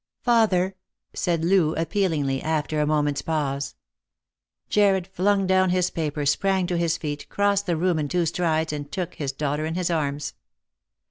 " Father !" said Loo appealingly, after a moment's pause. Jarred flung down his paper, sprang to his feet, crossed the room in two strides, and took his daughter in his arms.